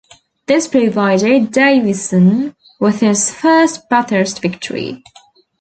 This provided Davison with his first Bathurst victory.